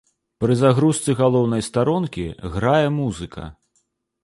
Пры загрузцы галоўнай старонкі грае музыка.